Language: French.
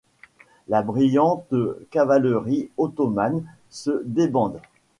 La brillante cavalerie ottomane se débande.